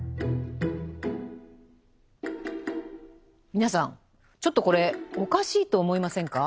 皆さんちょっとこれおかしいと思いませんか？